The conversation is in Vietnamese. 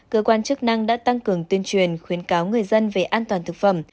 cơ quan chức năng đã tăng cường tuyên truyền khuyến cáo người dân về an toàn thực phẩm